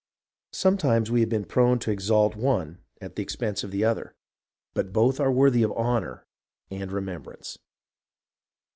Sometimes we have been prone to exalt the one at the PEACE 401 expense of the other, but both are worthy of honour and remembrance.